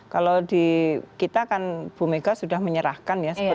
kalau di kita kan bu mega sudah menyerahkan ya